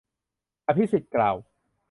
อภิสิทธิ์กล่าว